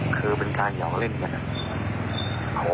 คือเป็นการเหยาะเล่นกันนะ